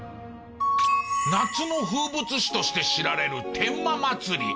夏の風物詩として知られる天馬祭り。